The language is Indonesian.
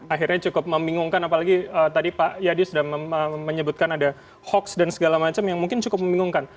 akhirnya cukup membingungkan apalagi tadi pak yadi sudah menyebutkan ada hoax dan segala macam yang mungkin cukup membingungkan